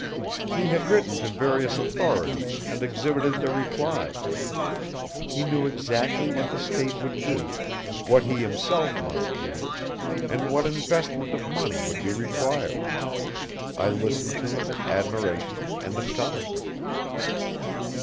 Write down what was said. He had written to various authorities and exhibited their replies. He knew exactly what the State would do, what he himself must do, and what investment of money would be required. I listened to him in admiration and astonishment.